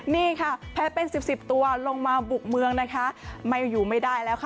นี่ครับแพ้เป็น๑๐ตัวลงมาบุกเมืองอยู่ไม่ได้แล้ว